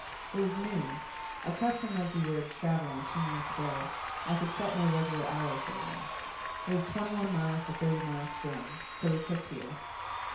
It was noon. Accustomed as we were to travel on two meals a day, I could set no regular hour for them. It was twenty one miles to Thirty Mile Spring. So we cooked here.